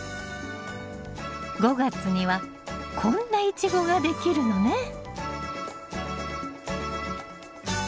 ５月にはこんなイチゴができるのね。